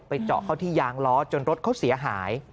เจาะเข้าที่ยางล้อจนรถเขาเสียหาย